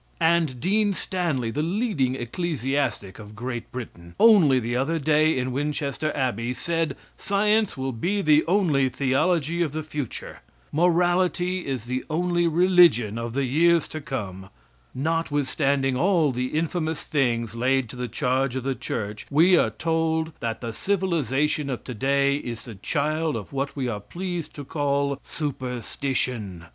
And Dean Stanley, the leading ecclesiastic of Great Britain, only the other day in Winchester Abbey, said science will be the only theology of the future. Morality is the only religion of the years to come. Not withstanding all the infamous things laid to the charge of the Church, we are told that the civilization of today is the child of what we are pleased to call superstition.